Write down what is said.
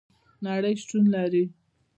نړۍ شتون لري